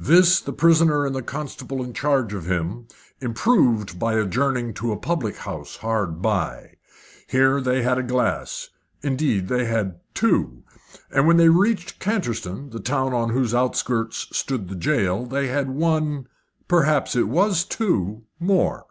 This the prisoner and the constable in charge of him improved by adjourning to a public house hard by. Here they had a glass indeed they had two and when they reached Canterstone, the town on whose outskirts stood the jail, they had one or perhaps it was two more.